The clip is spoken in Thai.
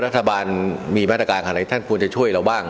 ทราบาลมีมาตรกาลแหลกท่านควรจะช่วยเราบ้าง